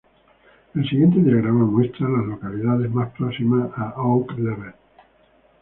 El siguiente diagrama muestra a las localidades más próximas a Oak Level.